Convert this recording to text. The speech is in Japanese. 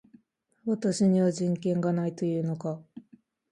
私には人権がないと言うのか